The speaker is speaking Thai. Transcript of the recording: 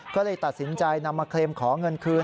ก็เลยตัดสินใจนำมาเคลมขอเงินคืน